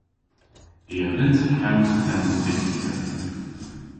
I a vynnsa kewsel gans an Dyghtyer.